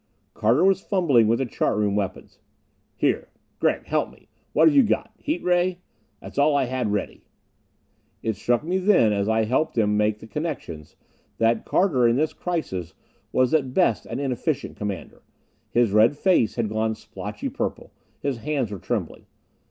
Carter was fumbling with the chart room weapons. "Here, Gregg, help me. What have you got? Heat ray? That's all I had ready." It struck me then as I helped him make the connections that Carter in this crisis was at best an inefficient commander. His red face had gone splotchy purple; his hands were trembling.